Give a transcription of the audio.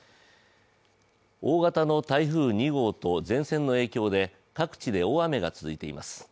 大型の台風２号と前線の影響で各地で大雨が続いています。